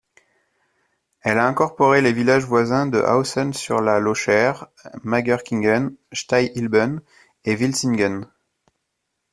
Elle a incorporé les villages voisins de Hausen-sur-la-Lauchert, Mägerkingen, Steinhilben et Wilsingen.